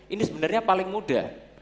ini sebenarnya paling mudah